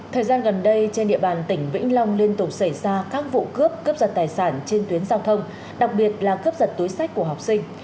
thời gian gần đây trên địa bàn tỉnh vĩnh long liên tục xảy ra các vụ cướp cướp giật tài sản trên tuyến giao thông đặc biệt là cướp giật túi sách của học sinh